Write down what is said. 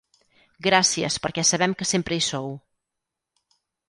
Gràcies perquè sabem que sempre hi sou.